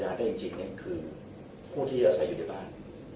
อาจจะเป็นพยาบของที่ใส่อยู่ในบ้าน